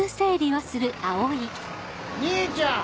兄ちゃん！